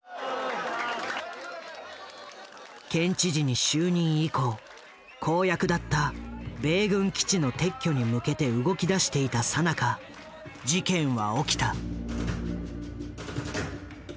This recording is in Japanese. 県知事に就任以降公約だった米軍基地の撤去に向けて動きだしていたさなか事件は起きた。